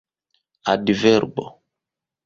adverbo